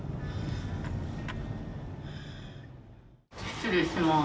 失礼します。